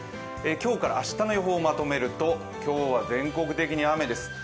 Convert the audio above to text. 今日から明日の予報をまとめると今日は全国的に雨です。